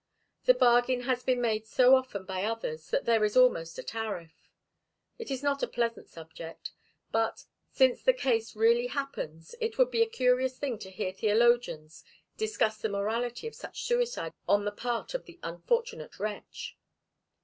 The bargain has been made so often by others that there is almost a tariff. It is not a pleasant subject, but, since the case really happens, it would be a curious thing to hear theologians discuss the morality of such suicide on the part of the unfortunate wretch.